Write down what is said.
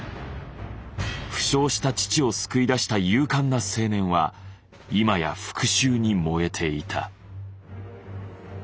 負傷した父を救い出した勇敢な青年は今や復讐に燃えていた。